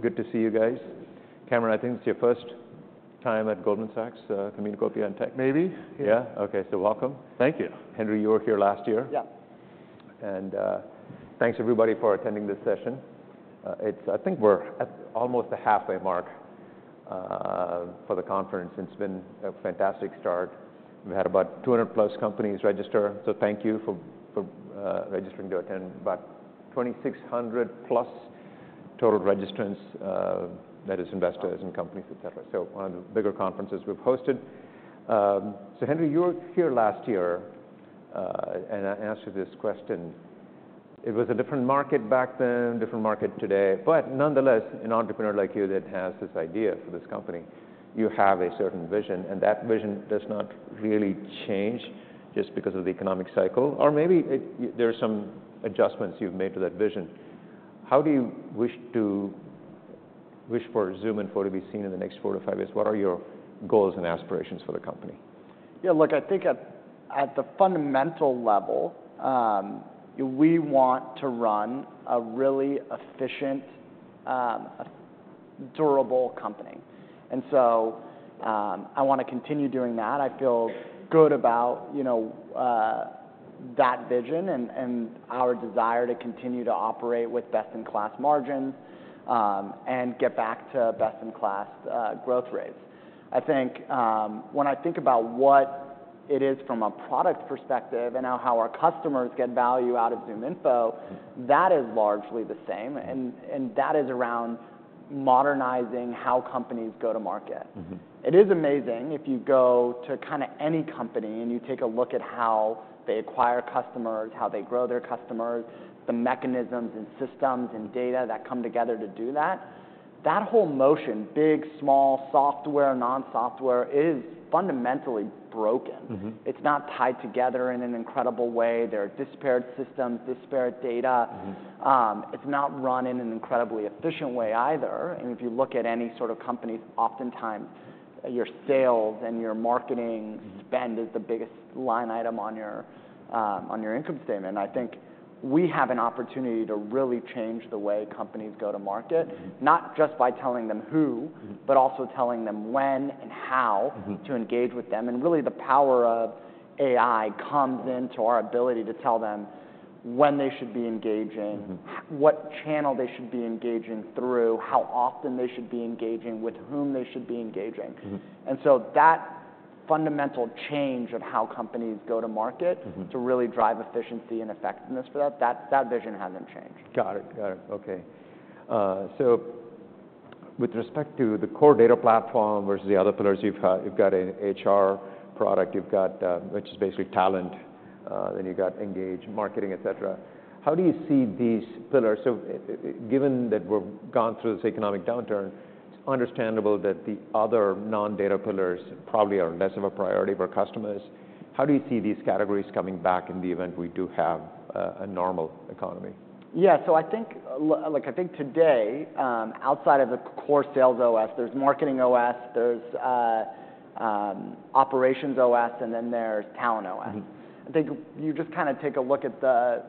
Good to see you guys. Cameron, I think it's your first time at Goldman Sachs, Communacoopia on Tech. Maybe. Yeah? Okay, so welcome. Thank you. Henry, you were here last year. Yeah. Thanks everybody for attending this session. It's—I think we're at almost the halfway mark for the conference, and it's been a fantastic start. We've had about 200+ companies register, so thank you for registering to attend. About 2,600+ total registrants, that is investors and companies, et cetera. So one of the bigger conferences we've hosted. So Henry, you were here last year, and I asked you this question. It was a different market back then, different market today, but nonetheless, an entrepreneur like you that has this idea for this company, you have a certain vision, and that vision does not really change just because of the economic cycle. Or maybe it, there are some adjustments you've made to that vision. How do you wish for ZoomInfo to be seen in the next 4-5 years? What are your goals and aspirations for the company? Yeah, look, I think at the fundamental level, we want to run a really efficient, durable company. And so, I want to continue doing that. I feel good about, you know, that vision and our desire to continue to operate with best-in-class margins, and get back to best-in-class growth rates. I think, when I think about what it is from a product perspective and how our customers get value out of ZoomInfo, that is largely the same, and that is around modernizing how companies go to market. Mm-hmm. It is amazing if you go to kinda any company and you take a look at how they acquire customers, how they grow their customers, the mechanisms and systems and data that come together to do that, that whole motion, big, small, software, non-software, is fundamentally broken. Mm-hmm. It's not tied together in an incredible way. There are disparate systems, disparate data. Mm-hmm. It's not run in an incredibly efficient way either. I mean, if you look at any sort of company, oftentimes, your sales and your marketing spend- Mm-hmm... is the biggest line item on your, on your income statement. I think we have an opportunity to really change the way companies go to market. Mm-hmm. Not just by telling them who- Mm-hmm... but also telling them when and how- Mm-hmm... to engage with them. And really, the power of AI comes into our ability to tell them when they should be engaging- Mm-hmm... what channel they should be engaging through, how often they should be engaging, with whom they should be engaging. Mm-hmm. And so that fundamental change of how companies go to market- Mm-hmm... to really drive efficiency and effectiveness for that vision hasn't changed. Got it. Got it. Okay. So with respect to the core data platform versus the other pillars, you've got an HR product, you've got, which is basically Talent, then you've got Engage, Marketing, et cetera. How do you see these pillars? So given that we've gone through this economic downturn, it's understandable that the other non-data pillars probably are less of a priority for our customers. How do you see these categories coming back in the event we do have a normal economy? Yeah. So I think, look, I think today, outside of the core SalesOS, there's MarketingOS, there's OperationsOS, and then there's TalentOS. Mm-hmm. I think you just kinda take a look at the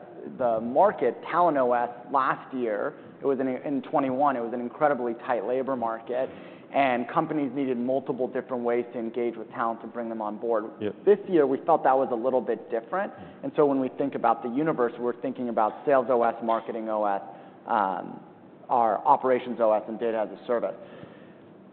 market, TalentOS last year, it was and in 2021, it was an incredibly tight labor market, and companies needed multiple different ways to engage with talent to bring them on board. Yeah. This year we felt that was a little bit different. Mm-hmm. When we think about the universe, we're thinking about SalesOS, MarketingOS, our OperationsOS, and Data as a Service.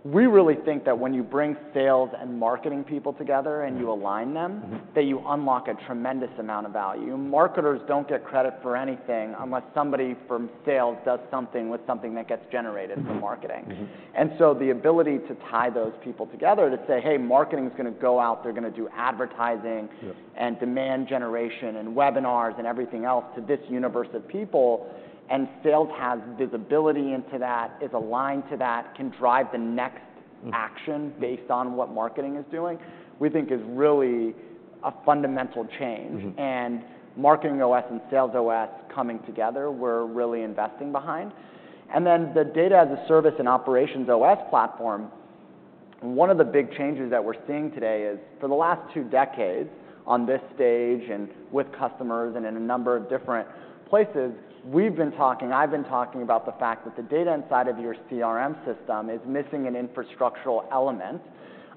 We really think that when you bring sales and marketing people together and you align them- Mm-hmm... that you unlock a tremendous amount of value. Marketers don't get credit for anything unless somebody from sales does something with something that gets generated from marketing. Mm-hmm. And so the ability to tie those people together to say, "Hey, marketing is gonna go out, they're gonna do advertising- Yeah... and demand generation, and webinars, and everything else to this universe of people," and sales has visibility into that, is aligned to that, can drive the next action- Mm... based on what marketing is doing, we think is really a fundamental change. Mm-hmm. MarketingOS and SalesOS coming together, we're really investing behind. Then the Data as a Service and OperationsOS platform, one of the big changes that we're seeing today is, for the last two decades, on this stage and with customers and in a number of different places, we've been talking, I've been talking about the fact that the data inside of your CRM system is missing an infrastructural element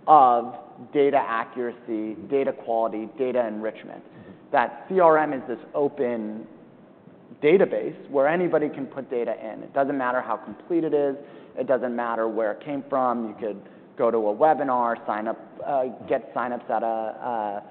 of data accuracy, data quality, data enrichment. Mm-hmm. That CRM is this open database where anybody can put data in. It doesn't matter how complete it is, it doesn't matter where it came from. You could go to a webinar, sign up, get sign-ups at an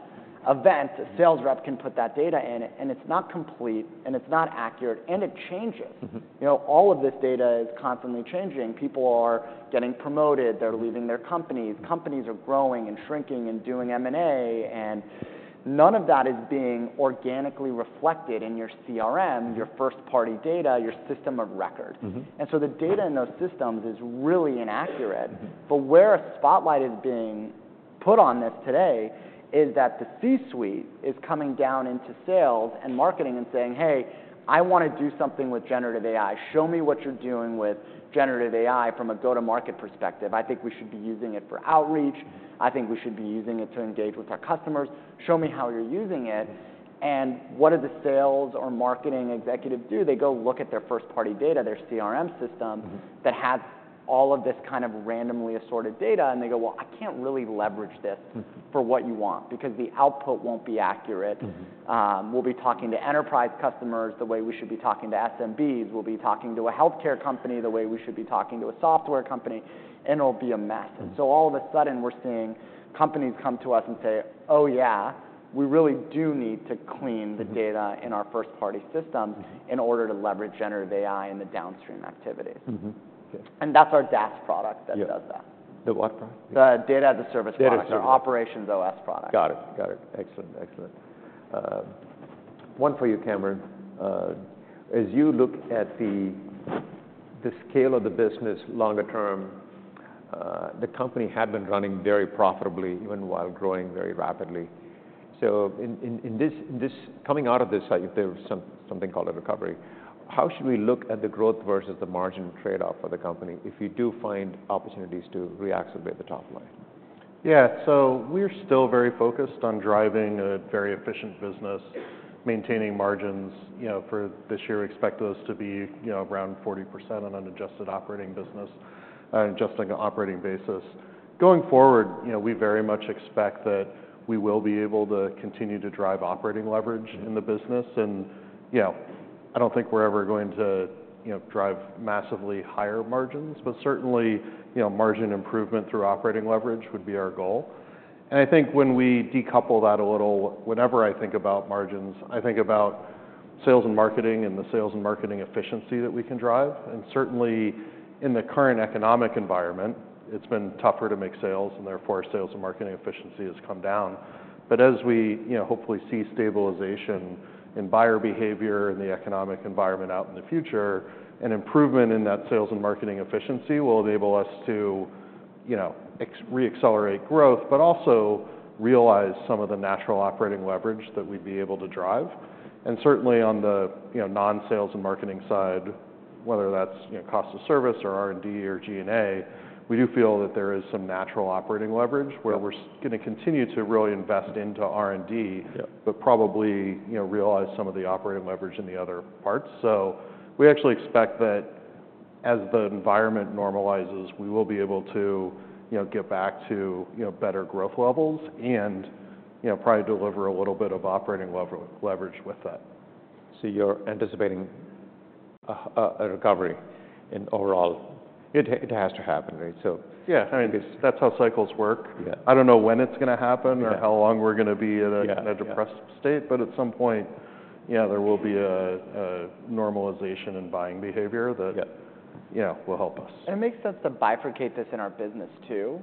event. Mm-hmm. A sales rep can put that data in, and it's not complete, and it's not accurate, and it changes. Mm-hmm. You know, all of this data is constantly changing. People are getting promoted, they're leaving their companies, companies are growing and shrinking and doing M&A, and none of that is being organically reflected in your CRM, your first-party data, your system of record. Mm-hmm. And so the data in those systems is really inaccurate. Mm-hmm. But where a spotlight is being put on this today is that the C-suite is coming down into sales and marketing and saying, "Hey, I want to do something with generative AI. Show me what you're doing with generative AI from a go-to-market perspective. I think we should be using it for outreach. I think we should be using it to engage with our customers. Show me how you're using it." And what do the sales or marketing executives do? They go look at their first-party data, their CRM system- Mm-hmm. -that has all of this kind of randomly assorted data, and they go, "Well, I can't really leverage this- Mm. for what you want, because the output won't be accurate. Mm-hmm. We'll be talking to enterprise customers the way we should be talking to SMBs. We'll be talking to a healthcare company the way we should be talking to a software company, and it'll be a mess. Mm-hmm. So all of a sudden, we're seeing companies come to us and say, "Oh, yeah, we really do need to clean the data- Mm in our first-party systems Mm -in order to leverage Generative AI in the downstream activities. Mm-hmm. Okay. That's our DaaS product that does that. Yeah. The what product? The Data as a Service product. Data as a Service. Our OperationsOS product. Got it. Got it. Excellent, excellent. One for you, Cameron. As you look at the scale of the business longer term, the company had been running very profitably, even while growing very rapidly. So in this coming out of this, if there was something called a recovery, how should we look at the growth versus the margin trade-off for the company if you do find opportunities to reaccelerate the top line? Yeah, so we're still very focused on driving a very efficient business, maintaining margins. You know, for this year, we expect those to be, you know, around 40% on an adjusted operating business, just like an operating basis. Going forward, you know, we very much expect that we will be able to continue to drive operating leverage in the business. And, you know, I don't think we're ever going to, you know, drive massively higher margins, but certainly, you know, margin improvement through operating leverage would be our goal. And I think when we decouple that a little, whenever I think about margins, I think about sales and marketing, and the sales and marketing efficiency that we can drive. And certainly, in the current economic environment, it's been tougher to make sales, and therefore, sales and marketing efficiency has come down. But as we, you know, hopefully see stabilization in buyer behavior and the economic environment out in the future, an improvement in that sales and marketing efficiency will enable us to, you know, reaccelerate growth, but also realize some of the natural operating leverage that we'd be able to drive. And certainly, on the, you know, non-sales and marketing side, whether that's, you know, cost of service or R&D or G&A, we do feel that there is some natural operating leverage- Yeah. where we're gonna continue to really invest into R&D Yeah... but probably, you know, realize some of the operating leverage in the other parts. So we actually expect that as the environment normalizes, we will be able to, you know, get back to, you know, better growth levels and, you know, probably deliver a little bit of operating leverage with that. So you're anticipating a recovery in overall? It has to happen, right? So- Yeah. I mean- That's how cycles work. Yeah. I don't know when it's gonna happen- Yeah... or how long we're gonna be in a- Yeah, yeah... in a depressed state, but at some point, yeah, there will be a normalization in buying behavior that- Yep... you know, will help us. It makes sense to bifurcate this in our business, too.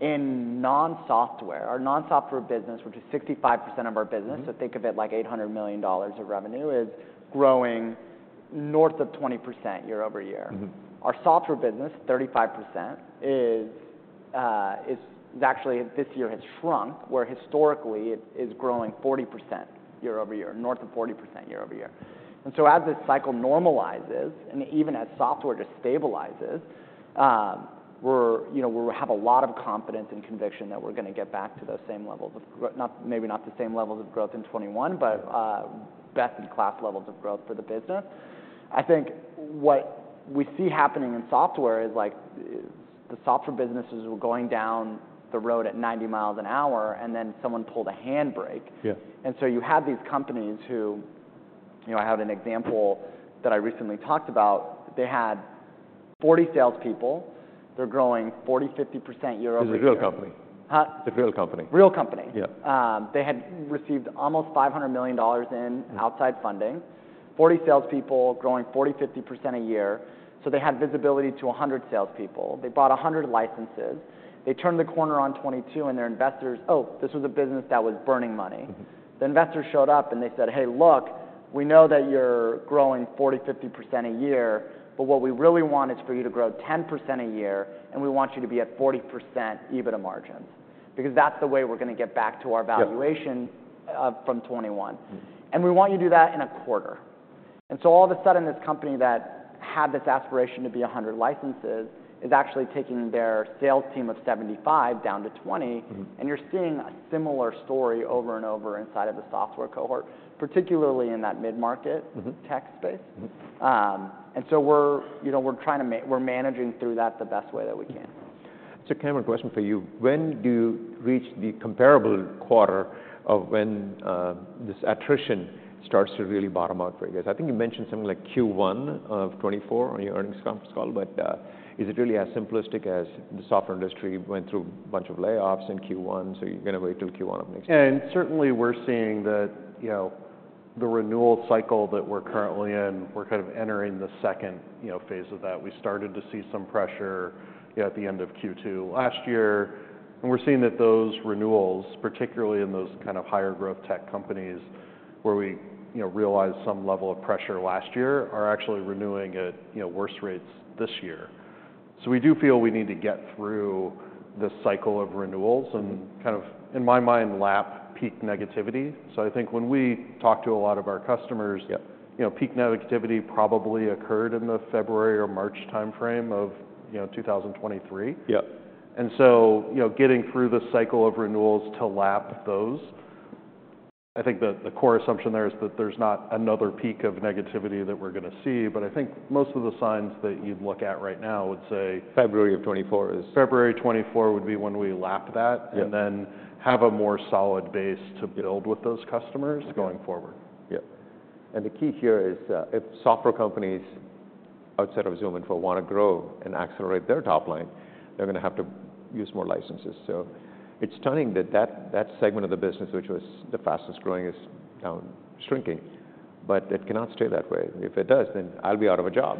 In non-software, our non-software business, which is 65% of our business- Mm... so think of it like $800 million of revenue, is growing north of 20% year-over-year. Mm-hmm. Our software business, 35%, is actually this year has shrunk, where historically it is growing 40% year-over-year, north of 40% year-over-year. And so as this cycle normalizes, and even as software just stabilizes, we're, you know, we have a lot of confidence and conviction that we're gonna get back to those same levels of growth, not, maybe not the same levels of growth in 2021, but best-in-class levels of growth for the business. I think what we see happening in software is, like, the software businesses were going down the road at 90 miles an hour, and then someone pulled the handbrake. Yeah. And so you have these companies who... You know, I have an example that I recently talked about. They had 40 salespeople. They're growing 40%-50% year-over-year. It's a real company? Huh? It's a real company. Real company. Yeah. They had received almost $500 million in outside funding. Mm. 40 salespeople growing 40-50% a year, so they had visibility to 100 salespeople. They bought 100 licenses. They turned the corner on 2022, and their investors— Oh, this was a business that was burning money. Mm-hmm. The investors showed up, and they said, "Hey, look, we know that you're growing 40, 50% a year, but what we really want is for you to grow 10% a year, and we want you to be at 40% EBITDA margins, because that's the way we're gonna get back to our valuation- Yeah... from 2021. Mm. And we want you to do that in a quarter." And so all of a sudden, this company that had this aspiration to be 100 licenses is actually taking their sales team of 75 down to 20. Mm-hmm. You're seeing a similar story over and over inside of the software cohort, particularly in that mid-market- Mm-hmm... tech space. Mm-hmm. And so we're, you know, we're managing through that the best way that we can. So, Cameron, question for you: When do you reach the comparable quarter of when this attrition starts to really bottom out for you guys? I think you mentioned something like Q1 of 2024 on your earnings conference call, but is it really as simplistic as the software industry went through a bunch of layoffs in Q1, so you're gonna wait till Q1 of next year? And certainly, we're seeing that, you know, the renewal cycle that we're currently in, we're kind of entering the second, you know, phase of that. We started to see some pressure, you know, at the end of Q2 last year, and we're seeing that those renewals, particularly in those kind of higher growth tech companies where we, you know, realized some level of pressure last year are actually renewing at, you know, worse rates this year. So we do feel we need to get through the cycle of renewals. Mm-hmm. and kind of, in my mind, lapped peak negativity. So I think when we talk to a lot of our customers Yep. you know, peak negativity probably occurred in the February or March timeframe of, you know, 2023. Yep. And so, you know, getting through the cycle of renewals to lap those, I think the, the core assumption there is that there's not another peak of negativity that we're gonna see. But I think most of the signs that you'd look at right now would say- February of 2024 is- February 2024 would be when we lap that- Yep... and then have a more solid base to build- Yep with those customers going forward. Yep. And the key here is, if software companies outside of ZoomInfo wanna grow and accelerate their top line, they're gonna have to use more licenses. So it's stunning that that segment of the business, which was the fastest growing, is now shrinking, but it cannot stay that way. If it does, then I'll be out of a job.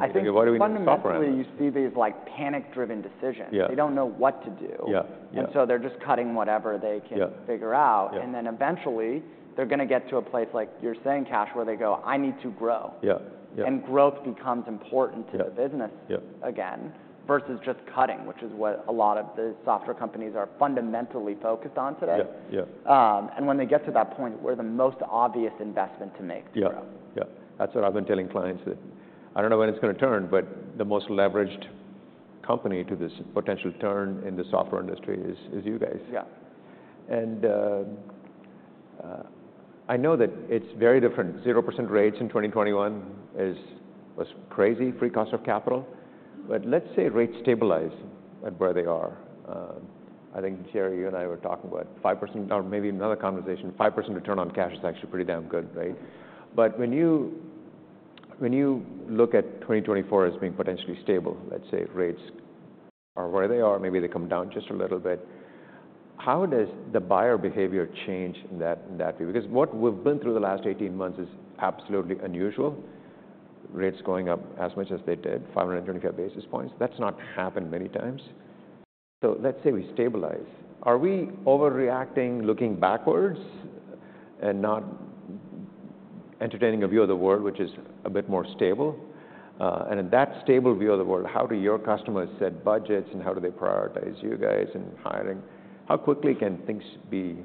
I think what do we need software for? Fundamentally, you see these, like, panic-driven decisions. Yeah. They don't know what to do. Yeah. Yeah. They're just cutting whatever they can- Yeah... figure out. Yeah. And then eventually, they're gonna get to a place, like you're saying, Kash, where they go, "I need to grow. Yeah. Yeah. Growth becomes important to the business. Yeah. Yep... again, versus just cutting, which is what a lot of the software companies are fundamentally focused on today. Yeah. Yeah. When they get to that point, we're the most obvious investment to make to grow. Yeah, yeah. That's what I've been telling clients, that I don't know when it's gonna turn, but the most leveraged company to this potential turn in the software industry is, is you guys. Yeah. And, I know that it's very different, 0% rates in 2021 is, was crazy, free cost of capital. But let's say rates stabilize at where they are. I think, Jerry, you and I were talking about 5%, or maybe another conversation, 5% return on cash is actually pretty damn good, right? But when you, when you look at 2024 as being potentially stable, let's say rates are where they are, maybe they come down just a little bit, how does the buyer behavior change in that, in that way? Because what we've been through the last 18 months is absolutely unusual, rates going up as much as they did, 525 basis points. That's not happened many times. So let's say we stabilize. Are we overreacting, looking backwards, and not entertaining a view of the world which is a bit more stable? In that stable view of the world, how do your customers set budgets, and how do they prioritize you guys in hiring? How quickly can things be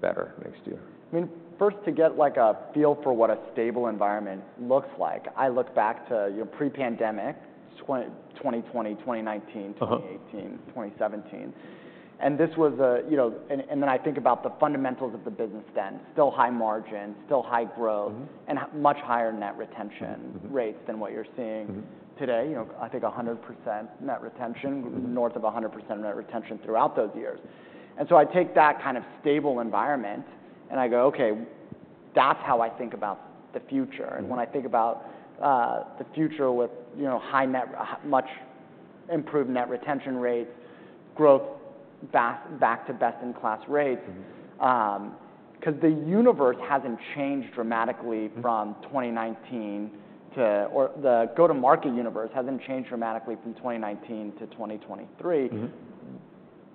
better next year? I mean, first, to get like a feel for what a stable environment looks like, I look back to, you know, pre-pandemic, 2020, 2019- Uh-huh... 2018, 2017. And this was a, you know... And, and then I think about the fundamentals of the business then. Still high margin, still high growth- Mm-hmm. and much higher net retention Mm-hmm... rates than what you're seeing- Mm-hmm... today. You know, I think 100% net retention- Mm-hmm... north of 100% net retention throughout those years. And so I take that kind of stable environment, and I go, "Okay, that's how I think about the future. Mm-hmm. And when I think about the future with, you know, high net, much improved net retention rates, growth back, back to best-in-class rates- Mm-hmm... 'cause the universe hasn't changed dramatically- Mm... from 2019 to, or the go-to-market universe hasn't changed dramatically from 2019 to 2023.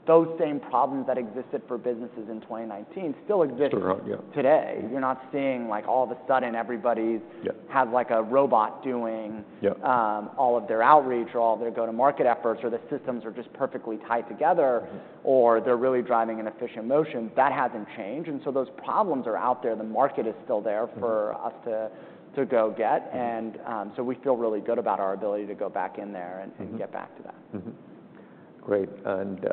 Mm-hmm. Those same problems that existed for businesses in 2019 still exist. Sure, yeah... today. You're not seeing, like, all of a sudden everybody's- Yep... have, like, a robot doing- Yep... all of their outreach or all of their go-to-market efforts, or the systems are just perfectly tied together- Mm-hmm... or they're really driving an efficient motion. That hasn't changed, and so those problems are out there. The market is still there- Mm... for us to go get. Mm-hmm. We feel really good about our ability to go back in there and- Mm-hmm... and get back to that. Mm-hmm. Great, and,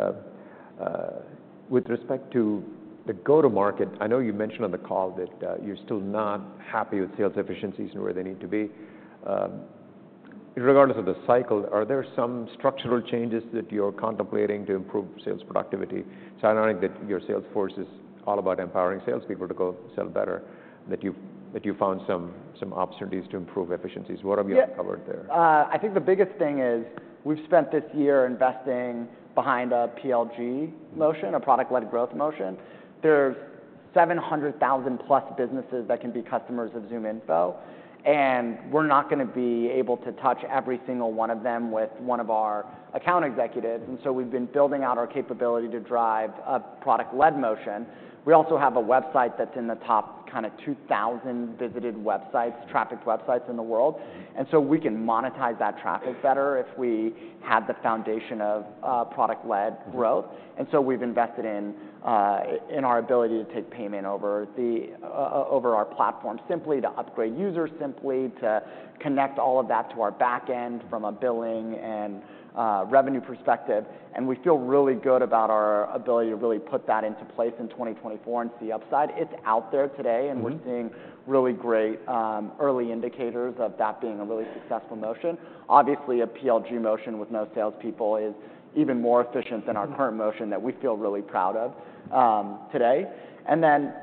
with respect to the go-to-market, I know you mentioned on the call that, you're still not happy with sales efficiencies and where they need to be. Regardless of the cycle, are there some structural changes that you're contemplating to improve sales productivity? It's ironic that your sales force is all about empowering salespeople to go sell better, that you've found some opportunities to improve efficiencies. What have you- Yeah... uncovered there? I think the biggest thing is, we've spent this year investing behind a PLG motion, a product-led growth motion. There's 700,000 plus businesses that can be customers of ZoomInfo, and we're not gonna be able to touch every single one of them with one of our account executives. And so we've been building out our capability to drive a product-led motion. We also have a website that's in the top, kinda, 2,000 visited websites, trafficked websites in the world. Mm-hmm. And so we can monetize that traffic better if we have the foundation of product-led growth. Mm-hmm. And so we've invested in our ability to take payment over our platform, simply to upgrade users, simply to connect all of that to our back end from a billing and revenue perspective. We feel really good about our ability to really put that into place in 2024 and see upside. It's out there today. Mm-hmm... and we're seeing really great, early indicators of that being a really successful motion. Obviously, a PLG motion with no salespeople is even more efficient than our current- Mm... motion, that we feel really proud of, today. And then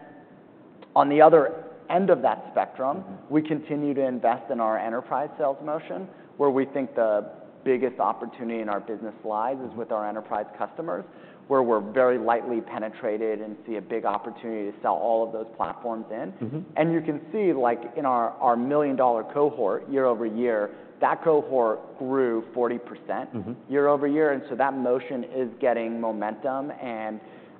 on the other end of that spectrum- Mm-hmm... we continue to invest in our enterprise sales motion, where we think the biggest opportunity in our business lies, is with our enterprise customers, where we're very lightly penetrated and see a big opportunity to sell all of those platforms in. Mm-hmm. You can see, like, in our million-dollar cohort, year-over-year, that cohort grew 40%- Mm-hmm... year-over-year, and so that motion is getting momentum.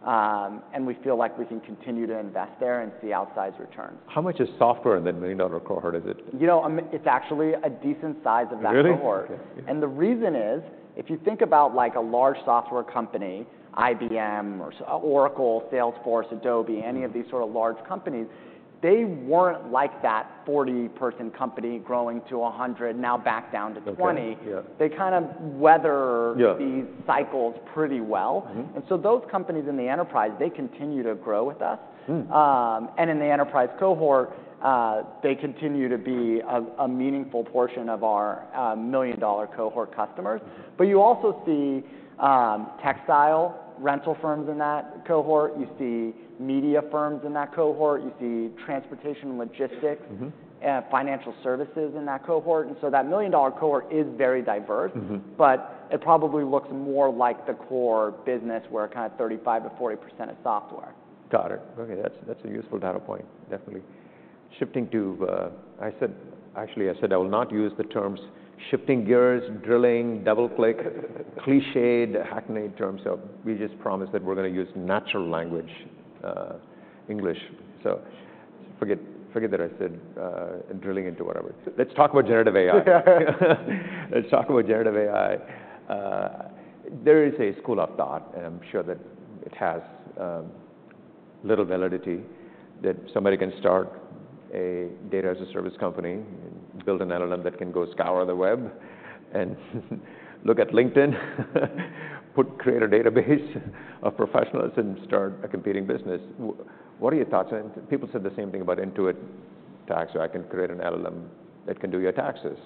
And we feel like we can continue to invest there and see outsized returns. How much is software in the million-dollar cohort? Is it- You know, it's actually a decent size of that cohort. Really? Okay. And the reason is, if you think about like a large software company, IBM or Oracle, Salesforce, Adobe- Mm-hmm. any of these sort of large companies, they weren't like that 40-person company growing to 100, now back down to 20. Okay. Yeah. They kind of weather- Yeah These cycles pretty well. Mm-hmm. And so those companies in the enterprise, they continue to grow with us. Hmm. In the enterprise cohort, they continue to be a meaningful portion of our million-dollar cohort customers. Mm-hmm. But you also see textile rental firms in that cohort. You see media firms in that cohort. You see transportation and logistics- Mm-hmm... financial services in that cohort. And so that million-dollar cohort is very diverse- Mm-hmm But it probably looks more like the core business, where kind of 35%-40% is software. Got it. Okay, that's, that's a useful data point, definitely. Shifting to... I said, actually, I said I will not use the terms shifting gears, drilling, double-click, clichéd, hackneyed terms of. We just promised that we're gonna use natural language, English. So forget, forget that I said, drilling into whatever. Let's talk about generative AI. Yeah. Let's talk about generative AI. There is a school of thought, and I'm sure that it has little validity, that somebody can start a data-as-a-service company and build an LLM that can go scour the web and look at LinkedIn, create a database of professionals and start a competing business. What are your thoughts on it? People said the same thing about Intuit tax, or I can create an LLM that can do your taxes.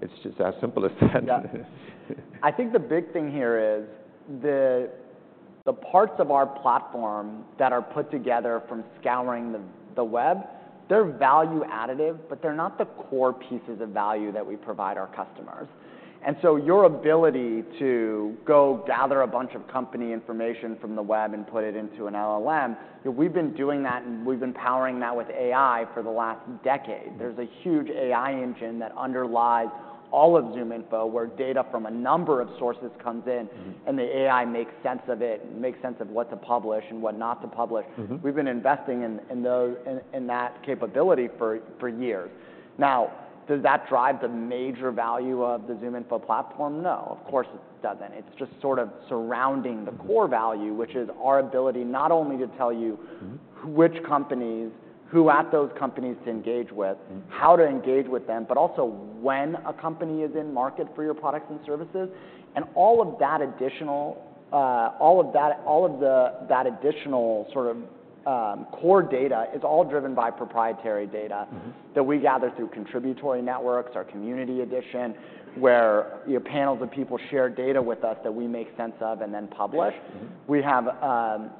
It's just as simple as that. Yeah. I think the big thing here is the parts of our platform that are put together from scouring the web, they're value additive, but they're not the core pieces of value that we provide our customers. And so your ability to go gather a bunch of company information from the web and put it into an LLM, we've been doing that, and we've been powering that with AI for the last decade. Mm-hmm. There's a huge AI engine that underlies all of ZoomInfo, where data from a number of sources comes in- Mm-hmm... and the AI makes sense of it, makes sense of what to publish and what not to publish. Mm-hmm. We've been investing in those in that capability for years. Now, does that drive the major value of the ZoomInfo platform? No, of course, it doesn't. It's just sort of surrounding the core value- Mm-hmm... which is our ability not only to tell you- Mm-hmm... which companies, who at those companies to engage with- Mm-hmm... how to engage with them, but also when a company is in market for your products and services. And all of that additional sort of core data is all driven by proprietary data. Mm-hmm... that we gather through contributory networks, our Community Edition, where, you know, panels of people share data with us that we make sense of and then publish. Yeah. Mm-hmm. We have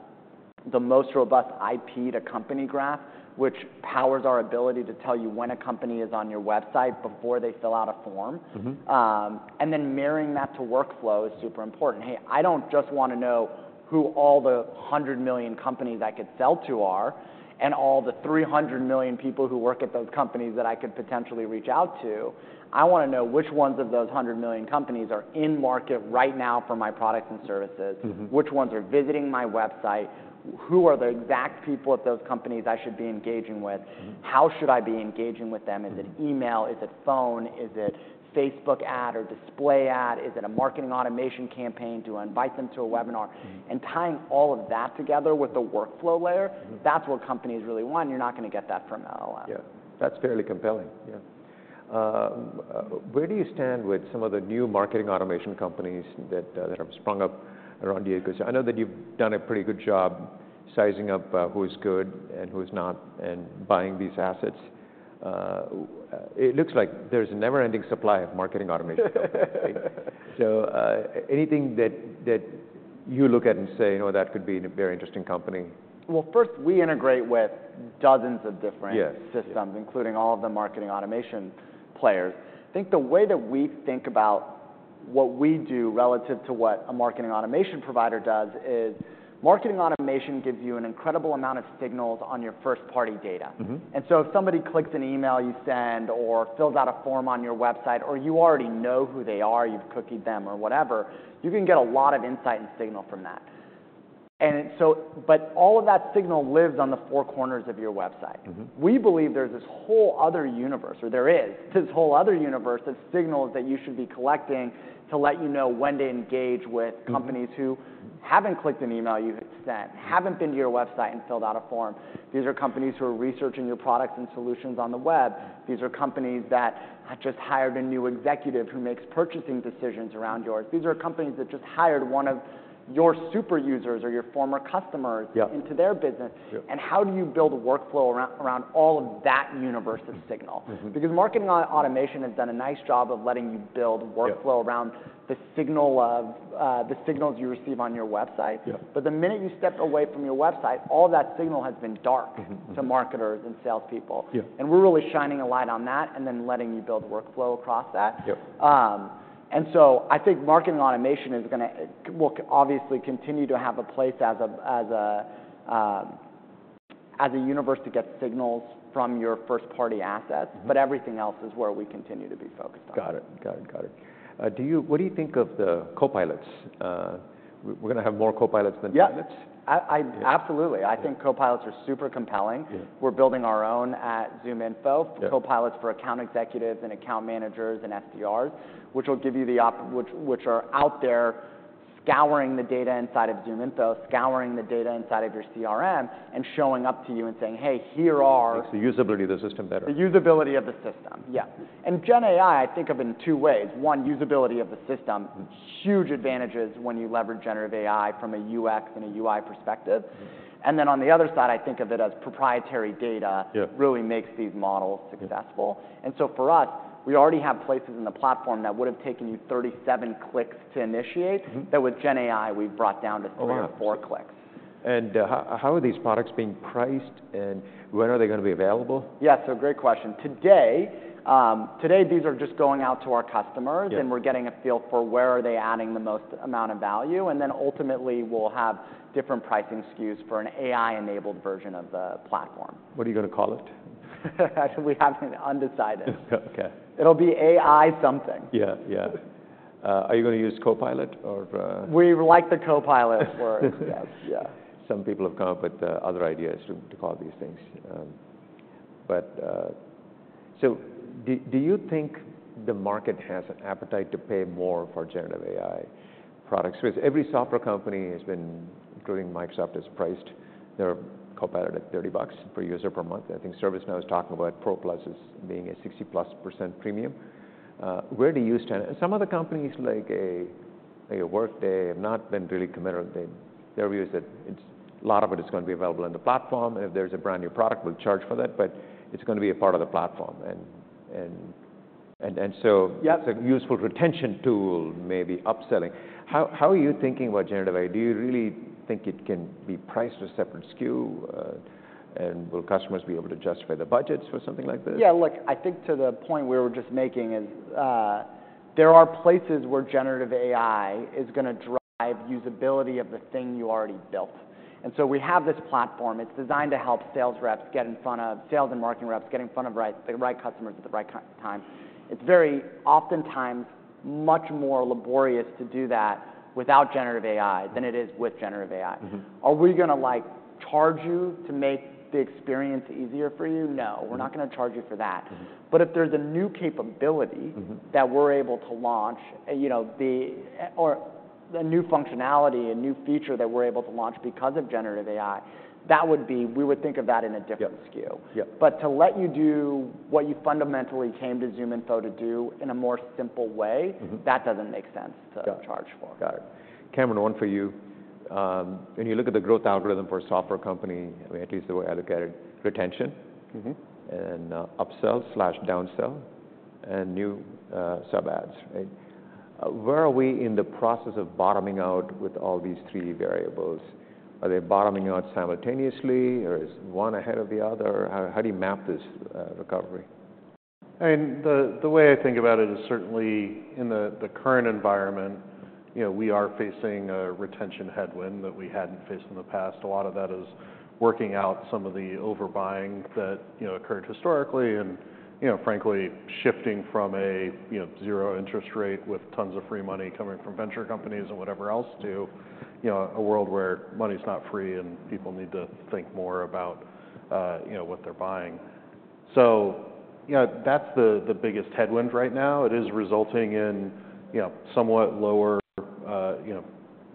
the most robust IP-to-Company Graph, which powers our ability to tell you when a company is on your website before they fill out a form. Mm-hmm. and then mirroring that to workflow is super important. Hey, I don't just wanna know who all the 100 million companies I could sell to are, and all the 300 million people who work at those companies that I could potentially reach out to. I wanna know which ones of those 100 million companies are in market right now for my products and services- Mm-hmm... which ones are visiting my website, who are the exact people at those companies I should be engaging with? Mm-hmm. How should I be engaging with them? Is it email? Is it phone? Is it Facebook ad or display ad? Is it a marketing automation campaign to invite them to a webinar? Mm-hmm. Tying all of that together with the workflow layer- Mm-hmm... that's what companies really want, and you're not gonna get that from an LLM. Yeah. That's fairly compelling, yeah. Where do you stand with some of the new marketing automation companies that have sprung up around you? 'Cause I know that you've done a pretty good job sizing up who's good and who's not, and buying these assets. It looks like there's a never-ending supply of marketing automation companies. So, anything that you look at and say, "You know, that could be a very interesting company? Well, first, we integrate with dozens of different- Yes... systems, including all of the marketing automation players. I think the way that we think about what we do relative to what a marketing automation provider does is, marketing automation gives you an incredible amount of signals on your first-party data. Mm-hmm. If somebody clicks an email you send or fills out a form on your website, or you already know who they are, you've cookied them or whatever, you can get a lot of insight and signal from that. But all of that signal lives on the four corners of your website. Mm-hmm. We believe there's this whole other universe, or there is, this whole other universe of signals that you should be collecting to let you know when to engage with- Mm-hmm... companies who haven't clicked an email you've sent, haven't been to your website and filled out a form. These are companies who are researching your products and solutions on the web. These are companies that have just hired a new executive, who makes purchasing decisions around yours. These are companies that just hired one of your super users or your former customers- Yeah... into their business. Yeah. How do you build a workflow around all of that universe of signal? Mm-hmm. Because marketing automation has done a nice job of letting you build workflows. Yeah... around the signal of, the signals you receive on your website. Yeah. But the minute you step away from your website, all that signal has been dark- Mm-hmm, mm-hmm... to marketers and salespeople. Yeah. We're really shining a light on that, and then letting you build workflow across that. Yeah. So I think marketing automation will obviously continue to have a place as a universe to get signals from your first-party assets, but everything else is where we continue to be focused on. Got it. Got it, got it. Do you—what do you think of the copilots? We're gonna have more copilots than pilots? Yeah, absolutely. Yeah. I think copilots are super compelling. Yeah. We're building our own at ZoomInfo- Yeah... copilots for account executives and account managers and SDRs, which are out there scouring the data inside of ZoomInfo, scouring the data inside of your CRM, and showing up to you and saying, "Hey, here are- Makes the usability of the system better. The usability of the system, yeah. And Gen AI, I think of in two ways: one, usability of the system. Huge advantages when you leverage generative AI from a UX and a UI perspective. Mm-hmm. And then on the other side, I think of it as proprietary data- Yeah... really makes these models successful. Yeah. And so for us, we already have places in the platform that would've taken you 37 clicks to initiate. Mm-hmm... that with Gen AI, we've brought down to three or four clicks. Oh, yeah. And, how are these products being priced, and when are they gonna be available? Yeah, so great question. Today, today these are just going out to our customers- Yeah... and we're getting a feel for where are they adding the most amount of value, and then ultimately, we'll have different pricing SKUs for an AI-enabled version of the platform. What are you gonna call it? We have it undecided. Okay. It'll be AI something. Yeah. Yeah. Are you gonna use Copilot or- We like the Copilot word. Yes. Yeah. Some people have come up with other ideas to call these things. But so do you think the market has an appetite to pay more for Generative AI products? 'Cause every software company has been, including Microsoft, has priced their Copilot at $30 per user per month. I think ServiceNow is talking about Pro Plus as being a 60%+ premium. Where do you stand? Some of the companies, like Workday, have not been really committed. Their view is that it's a lot of it is gonna be available on the platform, and if there's a brand-new product, we'll charge for that, but it's gonna be a part of the platform. And so- Yeah... it's a useful retention tool, maybe upselling. How are you thinking about Generative AI? Do you really think it can be priced as a separate SKU, and will customers be able to justify the budgets for something like this? Yeah, look, I think to the point we were just making is, there are places where Generative AI is gonna drive usability of the thing you already built. And so we have this platform, it's designed to help sales reps get in front of sales and marketing reps get in front of the right customers at the right time. It's very oftentimes much more laborious to do that without Generative AI than it is with Generative AI. Mm-hmm. Are we gonna, like, charge you to make the experience easier for you? No. Mm-hmm. We're not gonna charge you for that. Mm-hmm. But if there's a new capability- Mm-hmm... that we're able to launch and, you know, or a new functionality, a new feature that we're able to launch because of Generative AI, that would be, we would think of that in a different SKU. Yeah. Yeah. But to let you do what you fundamentally came to ZoomInfo to do in a more simple way- Mm-hmm... that doesn't make sense to charge for. Got it. Cameron, one for you. When you look at the growth algorithm for a software company, at least the way I look at it, retention- Mm-hmm... and upsell/downsell, and new sub-adds, right? Where are we in the process of bottoming out with all these three variables? Are they bottoming out simultaneously, or is one ahead of the other? How do you map this recovery? I mean, the way I think about it is certainly in the current environment, you know, we are facing a retention headwind that we hadn't faced in the past. A lot of that is working out some of the overbuying that, you know, occurred historically and, you know, frankly, shifting from a, you know, zero interest rate with tons of free money coming from venture companies and whatever else to, you know, a world where money's not free and people need to think more about, you know, what they're buying. So, you know, that's the biggest headwind right now. It is resulting in, you know, somewhat lower, you know,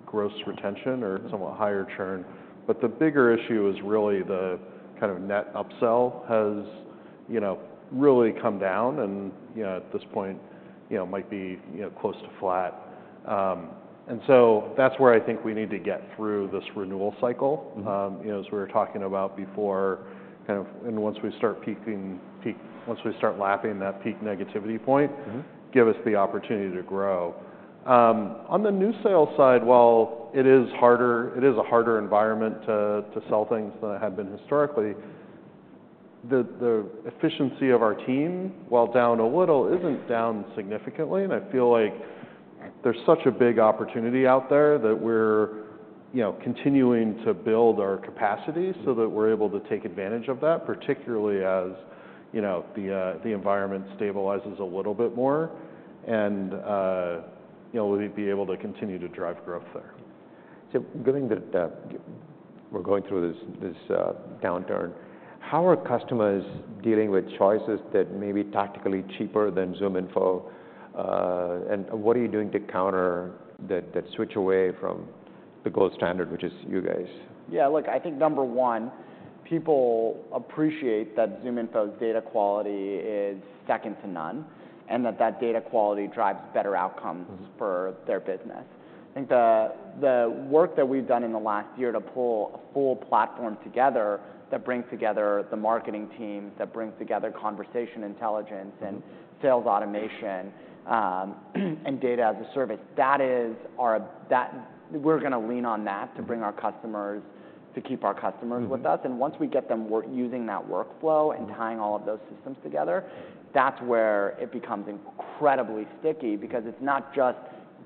gross retention or somewhat higher churn. But the bigger issue is really the kind of net upsell has, you know, really come down and, you know, at this point, you know, might be, you know, close to flat. And so that's where I think we need to get through this renewal cycle. Mm-hmm. You know, as we were talking about before, kind of, and once we start lapping that peak negativity point- Mm-hmm... give us the opportunity to grow. On the new sales side, while it is harder, it is a harder environment to, to sell things than it had been historically, the, the efficiency of our team, while down a little, isn't down significantly. And I feel like there's such a big opportunity out there that we're, you know, continuing to build our capacity- Mm-hmm... so that we're able to take advantage of that, particularly as, you know, the environment stabilizes a little bit more, and, you know, we'll be able to continue to drive growth there. So given that, we're going through this downturn, how are customers dealing with choices that may be tactically cheaper than ZoomInfo? And what are you doing to counter that switch away from the gold standard, which is you guys? Yeah, look, I think number one, people appreciate that ZoomInfo's data quality is second to none, and that that data quality drives better outcomes for their business. I think the work that we've done in the last year to pull a full platform together, that brings together the marketing teams, that brings together conversation intelligence- Mm-hmm... and sales automation, and Data as a Service, that is our, that, we're gonna lean on that to bring our customers- Mm-hmm. To keep our customers with us. Mm-hmm. Once we get them using that workflow- Mm-hmm... and tying all of those systems together, that's where it becomes incredibly sticky, because it's not just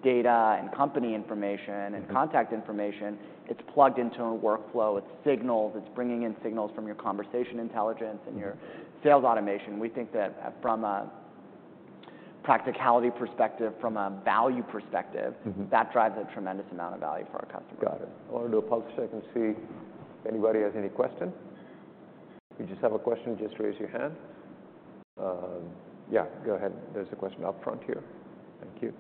data and company information- Mm-hmm... and contact information, it's plugged into a workflow. It's signals. It's bringing in signals from your Conversation Intelligence and your- Mm-hmm... sales automation. We think that from a practicality perspective, from a value perspective- Mm-hmm. that drives a tremendous amount of value for our customers. Got it. I wanna do a pulse check and see if anybody has any questions. If you just have a question, just raise your hand. Yeah, go ahead. There's a question up front here. Thank you.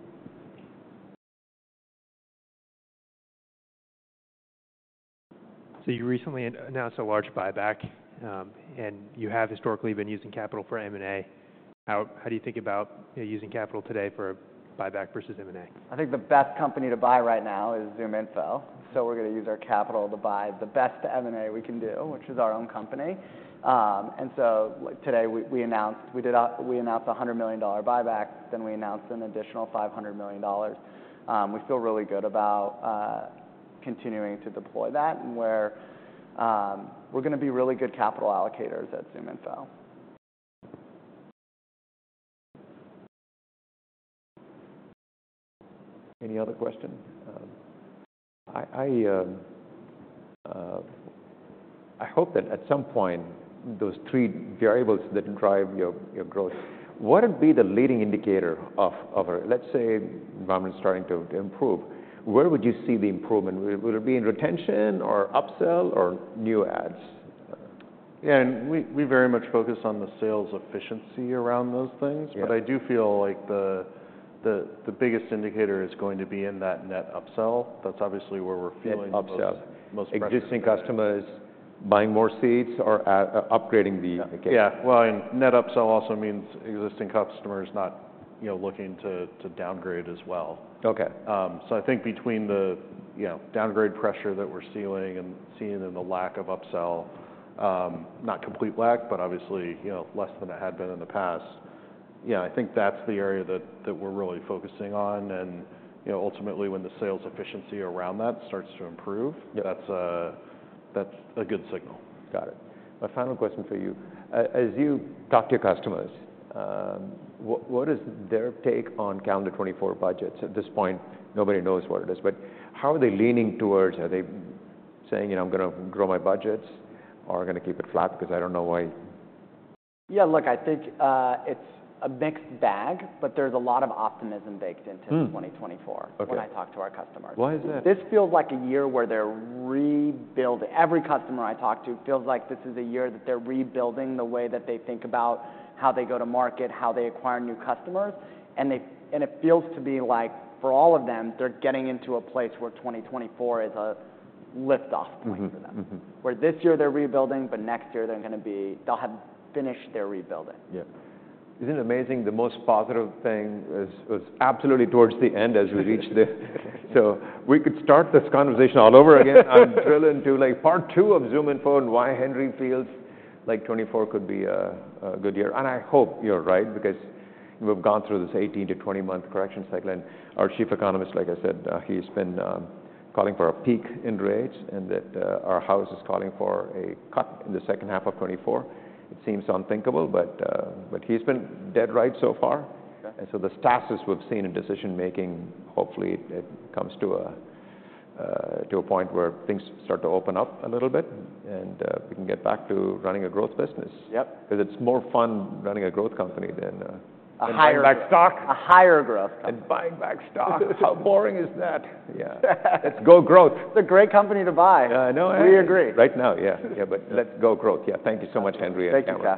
So you recently announced a large buyback, and you have historically been using capital for M&A. How do you think about, you know, using capital today for buyback versus M&A? I think the best company to buy right now is ZoomInfo, so we're gonna use our capital to buy the best M&A we can do, which is our own company. And so, like, today we announced a $100 million buyback, then we announced an additional $500 million. We feel really good about continuing to deploy that, and we're gonna be really good capital allocators at ZoomInfo. Any other questions? I hope that at some point, those three variables that drive your growth, what would be the leading indicator of a... Let's say the environment's starting to improve, where would you see the improvement? Would it be in retention or upsell or new ads? Yeah, and we, we very much focus on the sales efficiency around those things. Yeah. But I do feel like the biggest indicator is going to be in that net upsell. That's obviously where we're feeling- Net upsell the most, most pressure. Existing customers buying more seats or adding, upgrading the application? Yeah, well, and net upsell also means existing customers not, you know, looking to downgrade as well. Okay. So, I think between the, you know, downgrade pressure that we're seeing and in the lack of upsell, not complete lack, but obviously, you know, less than it had been in the past, yeah, I think that's the area that we're really focusing on. You know, ultimately, when the sales efficiency around that starts to improve- Yeah... that's a, that's a good signal. Got it. My final question for you: as you talk to your customers, what is their take on calendar 2024 budgets? At this point, nobody knows what it is, but how are they leaning towards... Are they saying, "You know, I'm gonna grow my budgets, or I'm gonna keep it flat because I don't know why? Yeah, look, I think, it's a mixed bag, but there's a lot of optimism baked into- Hmm... 2024- Okay When I talk to our customers. Why is that? This feels like a year where they're rebuilding. Every customer I talk to feels like this is the year that they're rebuilding the way that they think about how they go to market, how they acquire new customers. It feels to me like, for all of them, they're getting into a place where 2024 is a lift-off point for them. Mm-hmm, mm-hmm. Where this year they're rebuilding, but next year they're gonna be... They'll have finished their rebuilding. Yeah. Isn't it amazing the most positive thing is, was absolutely towards the end as we reach the... So we could start this conversation all over again and drill into, like, part two of ZoomInfo and why Henry feels like 2024 could be a good year. I hope you're right, because we've gone through this 18-20-month correction cycle, and our chief economist, like I said, he's been calling for a peak in rates and that our house is calling for a cut in the second half of 2024. It seems unthinkable, but he's been dead right so far. Okay. And so the stasis we've seen in decision-making, hopefully it comes to a point where things start to open up a little bit, and we can get back to running a growth business. Yep. 'Cause it's more fun running a growth company than buying back stock. A higher growth company. Buying back stocks. How boring is that? Yeah. Let's go growth. It's a great company to buy. Yeah, I know, Henry. We agree. Right now, yeah, yeah. But let's go growth. Yeah, thank you so much, Henry and Cameron.